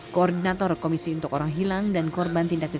koordinator komisi untuk orang hilang dan korban tindak ketiga